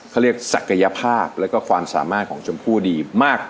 เขาเรียกศักยภาพแล้วก็ความสามารถของชมพู่ดีมาก